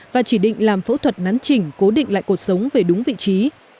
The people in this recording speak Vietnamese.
và chỉ định làm phẫu thuật nắn chỉnh cố định lại cuộc sống về đúng vị trí